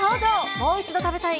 もう一度食べたい